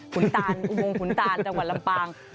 ขุนตานอุโมงขุนตานจังหวัดลำปาง